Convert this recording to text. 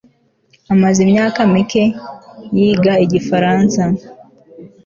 amaze imyaka mike yiga igifaransa